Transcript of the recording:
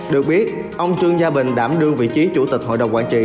được biết ông trương gia bình đảm đương vị trí chủ tịch hội đồng quản trị